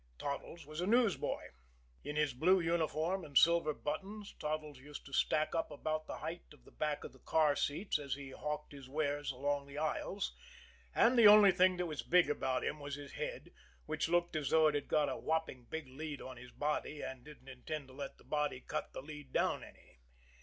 Toddles was a newsboy. In his blue uniform and silver buttons, Toddles used to stack up about the height of the back of the car seats as he hawked his wares along the aisles; and the only thing that was big about him was his head, which looked as though it had got a whopping big lead on his body and didn't intend to let the body cut the lead down any.